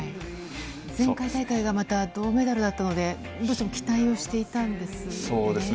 前回大会がまた銅メダルだったので、どうしても期待をしていたんですよね。